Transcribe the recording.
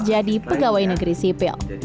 jadi pegawai negeri sipil